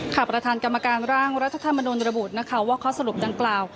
ประธานกรรมการร่างรัฐธรรมนุนระบุนะคะว่าข้อสรุปดังกล่าว